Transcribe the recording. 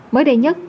mới đây nhất